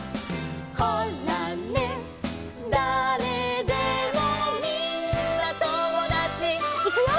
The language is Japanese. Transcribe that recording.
「ほらね誰でもみんなともだち」いくよ！